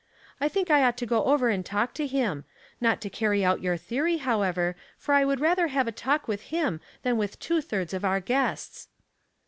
I think I ought to go over and talk to him — not to carry out your theory, however, for I would rather have a talk with him than with two thirds of our guests."